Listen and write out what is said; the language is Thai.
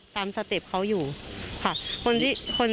สเต็ปเขาอยู่ค่ะ